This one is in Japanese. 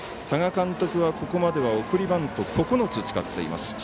多賀監督はここまでは送りバント９つ使っています。